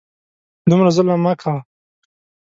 دومره ظلم مه کوه !